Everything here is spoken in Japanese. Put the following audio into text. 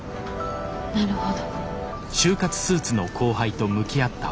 なるほど。